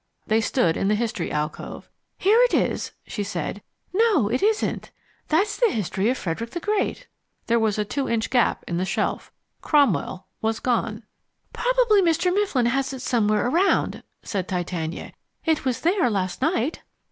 They stood in the History alcove. "Here it is," she said. "No, it isn't that's the History of Frederick the Great." There was a two inch gap in the shelf. Cromwell was gone. "Probably Mr. Mifflin has it somewhere around," said Titania. "It was there last night."